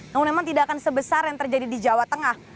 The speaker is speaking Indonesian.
namun memang tidak akan sebesar yang terjadi di jawa tengah